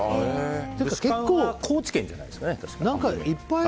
ブシカンは高知県じゃないですかね。